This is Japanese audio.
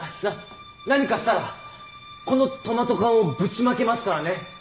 な何かしたらこのトマト缶をぶちまけますからね！